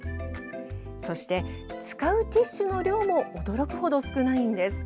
そして、使うティッシュの量も驚くほど少ないんです。